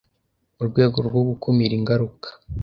Mu rwego rwo gukumira ingaruka